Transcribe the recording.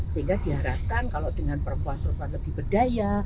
sehingga diharapkan kalau dengan perempuan perempuan lebih berdaya